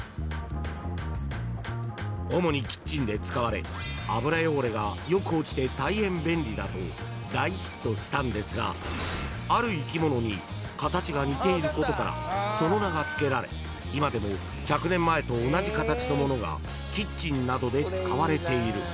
［主にキッチンで使われ油汚れがよく落ちて大変便利だと大ヒットしたんですがある生き物に形が似ていることからその名が付けられ今でも１００年前と同じ形のものがキッチンなどで使われている］